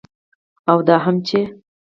او دا هم چې